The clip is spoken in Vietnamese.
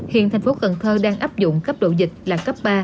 hiện tp cn đang áp dụng cấp độ dịch là cấp ba